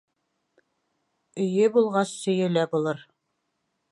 Өйө булғас, сөйө лә булыр.